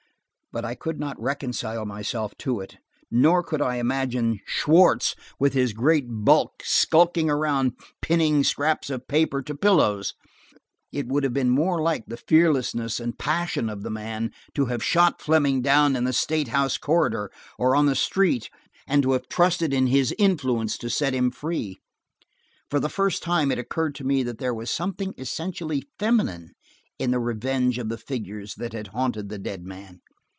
But I could not reconcile myself to it, nor could I imagine Schwartz, with his great bulk, skulking around pinning scraps of paper to pillows. It would have been more like the fearlessness and passion of the man to have shot Fleming down in the state house corridor, or on the street, and to have trusted to his influence to set him free. For the first time it occurred to me that there was something essentially feminine in the revenge of the figures that had haunted the dead man.